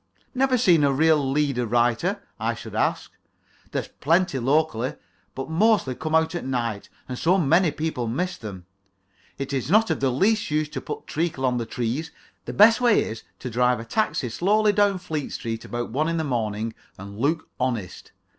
"Never seen a real leader writer?" I should say. "They're plentiful locally, but mostly come out at night, and so many people miss them. It is not of the least use to put treacle on the trees. The best way is to drive a taxi slowly down Fleet Street about one in the morning and look honest.